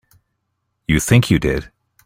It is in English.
You think you did.